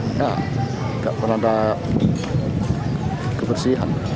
tidak pernah ada kebersihan